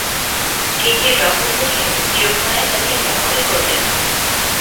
কেটির রকম দেখে যোগমায়া তাকে লক্ষ্যই করলেন না।